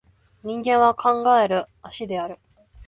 人間は考える葦である